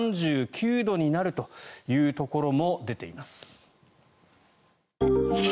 ３９度になるというところも出ています。